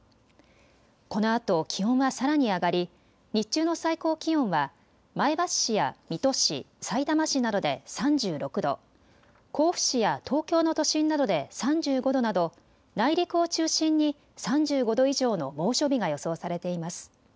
このあと気温はさらに上がり日中の最高気温は前橋市や水戸市、さいたま市などで３６度、甲府市や東京の都心などで３５度など内陸を中心に３５度以上の猛暑日が予想されています。